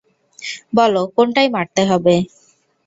বলো, কোনটায় মারতে হবে।